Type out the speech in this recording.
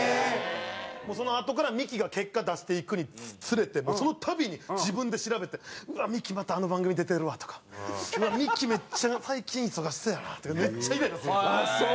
そのあとからミキが結果出していくにつれてそのたびに自分で調べて「うわっミキまたあの番組出てるわ」とか「うわっミキめっちゃ最近忙しそうやな」とかめっちゃイライラするんですよ。